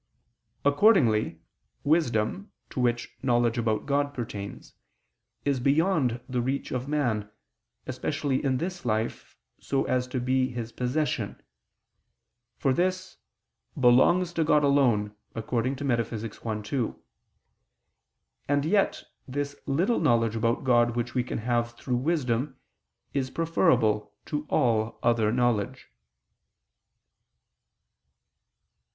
Accordingly wisdom, to which knowledge about God pertains, is beyond the reach of man, especially in this life, so as to be his possession: for this "belongs to God alone" (Metaph. i, 2): and yet this little knowledge about God which we can have through wisdom is preferable to all other knowledge.